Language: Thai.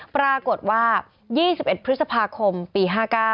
ปรากฏว่า๒๑พฤษภาคมปี๕๙